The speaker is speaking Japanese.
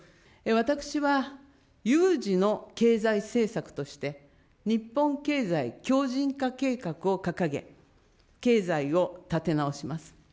私は有事の経済政策として、日本経済強じん化計画を掲げ、経済を立て直します。